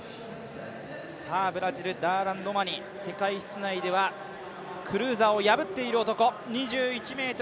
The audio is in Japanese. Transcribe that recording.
ブラジル、ダーラン・ロマニ、世界室内ではクルーザーを破っている男。